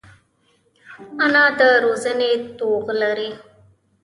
انا د روزنې توغ لري